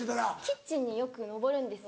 キッチンによく上るんです。